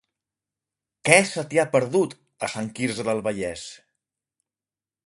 Què se t'hi ha perdut, a Sant Quirze del Valles?